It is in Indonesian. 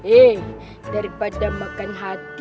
eh daripada makan hati